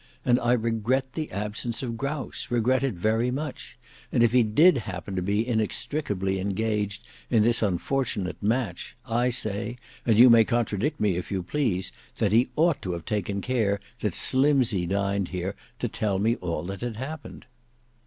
And I regret the absence of Grouse, regret it very much; and if he did happen to be inextricably engaged in this unfortunate match, I say, and you may contradict me if you please, that he ought to have taken care that Slimsey dined here, to tell me all that had happened."